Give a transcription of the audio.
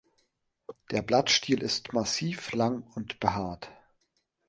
Der Blattstiel ist massiv, lang und behaart.